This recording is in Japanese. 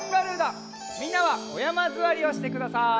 みんなはおやまずわりをしてください。